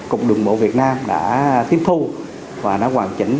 cục đồng bộ việt nam đã tiếp thu và nó hoàn chỉnh